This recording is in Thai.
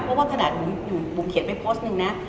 เพราะว่าขนาดบุ๋มบุ๋มเขียนไปโพสต์หนึ่งนะ